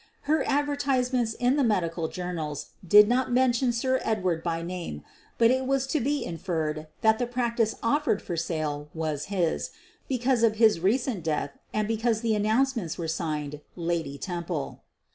Her advertisements in the medical journals did not mention Sir Edward by name, but it was to be inferred that the practice offered for sale was his, because of his recent death and because the an nouncements were signed '' Lady Temple.